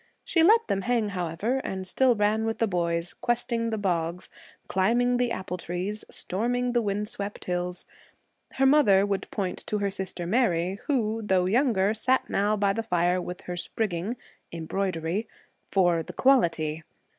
She let them hang, however, and still ran with the boys, questing the bogs, climbing the apple trees, storming the wind swept hills. Her mother would point to her sister Mary, who, though younger, sat now by the fire with her 'spriggin'' [embroidery] for 'the quality.'